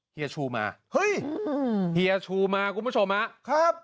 เฮียชูมาเฮ้ยเฮียชูมาคุณผู้ชมครับ